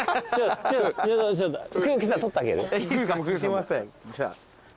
すいません。